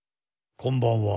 こんばんは。